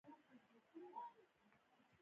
د انسان د شرافت د بقا لاره.